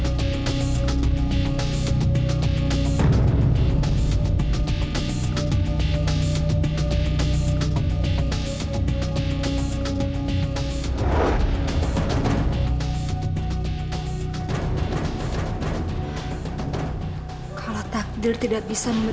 atas nama bapak ridwan ya